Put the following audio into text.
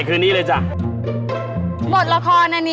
อุปกรณ์ที่ใช้เสื้อผ้าก็นำเข้าหมด